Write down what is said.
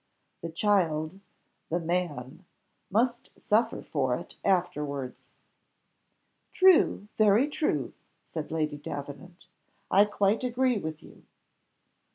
The child the man must suffer for it afterwards. "True, very true," said Lady Davenant; "I quite agree with you."